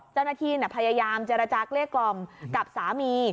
เจ้าหน้าที่พยายามเจรจาเกลี้ยกล่อมกับสามี